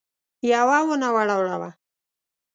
يوه ونه ولاړه وه.